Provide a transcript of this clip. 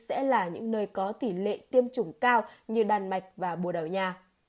sẽ là những nơi có tỷ lệ tiêm chủng cao như đan mạch và bồ đào nha